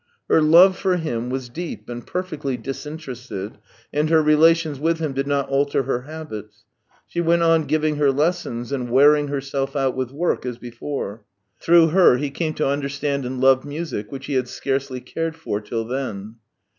Her love for him was deep and perfectly disinterested, and her relations with him did not alter her habits; she went on giving her lessons and wearing herself out with work as before. Through her he came to understand and love music, which he had scarcely cared for till then.